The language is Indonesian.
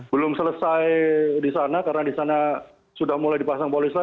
belum selesai di sana karena di sana sudah mulai dipasang polis lain